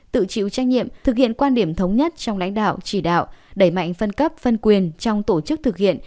tự chịu trách nhiệm thực hiện quan điểm thống nhất trong lãnh đạo chỉ đạo đẩy mạnh phân cấp phân quyền trong tổ chức thực hiện